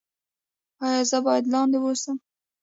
ایا زه باید لاندې اوسم؟